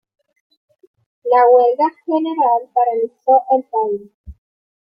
La huelga general paralizó el país.